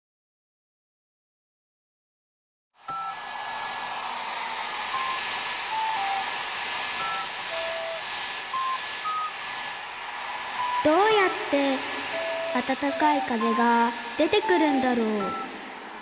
心の声どうやって温かい風が出てくるんだろう？